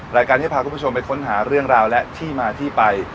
รายการที่พาคุณผู้ชมไปค้นหาเรื่องราวและที่มาที่ไป